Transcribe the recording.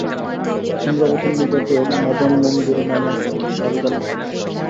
চন্দ্রাবতীর নিকটেও মদনমঞ্জরী নামে এক শারিকা থাকিত।